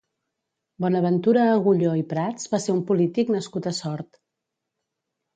Bonaventura Agulló i Prats va ser un polític nascut a Sort.